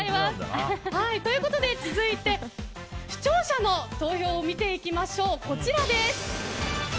続いて、視聴者の投票を見ていきましょう。